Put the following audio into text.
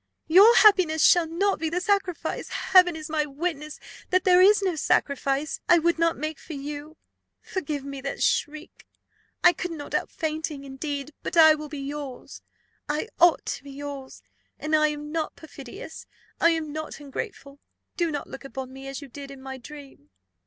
Your happiness shall not be the sacrifice. Heaven is my witness, that there is no sacrifice I would not make for you. Forgive me that shriek! I could not help fainting, indeed! But I will be yours I ought to be yours; and I am not perfidious I am not ungrateful: do not look upon me as you did in my dream!"